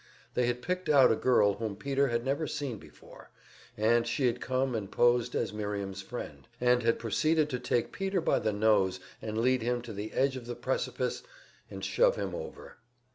They had picked out a girl whom Peter had never seen before, and she had come and posed as Miriam's friend, and had proceeded to take Peter by the nose and lead him to the edge of the precipice and shove him over.